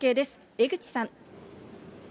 江口さん。